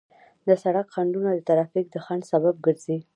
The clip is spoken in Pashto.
د سړک خنډونه د ترافیک د ځنډ سبب ګرځي.